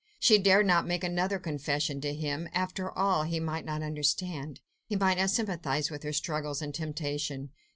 She dared not make another confession to him. After all, he might not understand; he might not sympathise with her struggles and temptation.